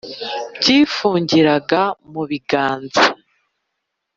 byifungiraga mu biganza